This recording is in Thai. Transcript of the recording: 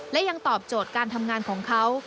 และยังตอบโจทย์การทำงานของเขา